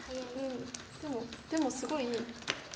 でもでもすごいいい。